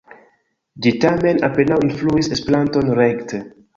Ĝi tamen apenaŭ influis Esperanton rekte.